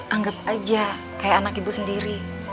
anggap aja kayak anak ibu sendiri